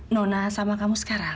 nona sama kamu sekarang